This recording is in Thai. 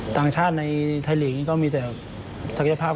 ทางชาติในไทยลีกนี้ที่มันมีแต่ศักยภาพ